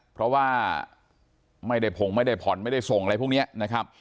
เพราะว่าไม่ได้ผงไม่ได้ผ่อนไม่ได้ส่งอะไรพวกนี้นะครับ